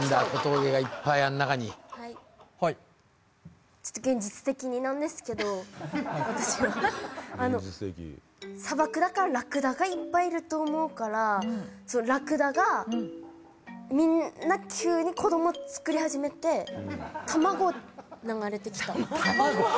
小峠がいっぱいはいはい現実的になんですけどあの砂漠だからラクダがいっぱいいると思うからラクダがみんな急に子供つくり始めて卵流れてきた卵！？